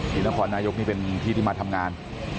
ที่นครนายกนี่เป็นที่ที่มาทำงาน